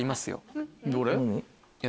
どれ？